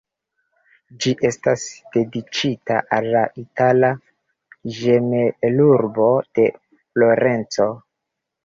Ĝi estas dediĉita al la itala ĝemelurbo de Florenco.